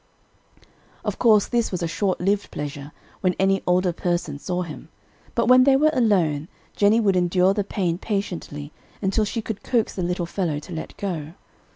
"] Of course this was a short lived pleasure when any older person saw him, but when they were alone, Jennie would endure the pain patiently until she could coax the little fellow to let go.